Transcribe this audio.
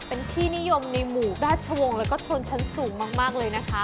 เป็นที่นิยมในหมู่ราชวงศ์แล้วก็ชนชั้นสูงมากเลยนะคะ